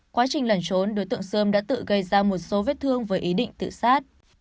quá trình lẩn trốn đối tượng sơn đã tự gây ra một số vết thương với ý định tự sát